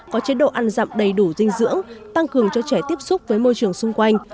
có chế độ ăn dặm đầy đủ dinh dưỡng tăng cường cho trẻ tiếp xúc với môi trường xung quanh